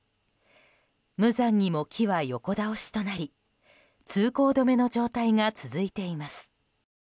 無残にも木は横倒しとなり通行止めの状態が続いています。